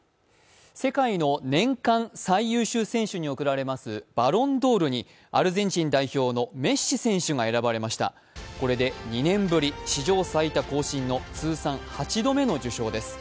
世界の年間最優秀選手に贈られますバロンドールにアルゼンチン代表のメッシ選手が選ばれました、これで２年ぶり、史上最多更新の通算８度目の受賞です。